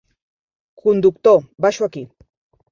Conductor, baixo aquí.